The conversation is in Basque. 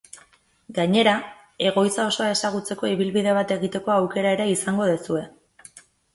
Gainera, egoitza osoa ezagutzeko ibilbide bat egiteko aukera ere izango duzue.